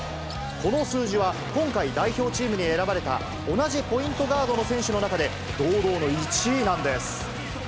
この数字は今回、代表チームに選ばれた同じポイントガードの選手の中で、堂々の１位なんです。